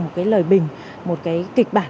một cái lời bình một cái kịch bản